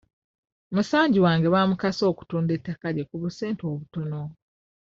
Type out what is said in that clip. Musanji wange baamukase okutunda ettaka lye ku busente obutono.